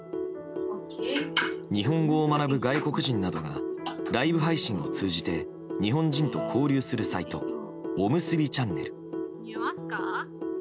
日本語を学ぶ外国人などがライブ配信を通じて日本人と交流するサイトおむすびチャンネル。